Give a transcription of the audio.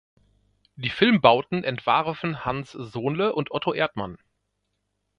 Die Filmbauten entwarfen Hans Sohnle und Otto Erdmann.